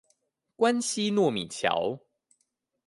關西糯米橋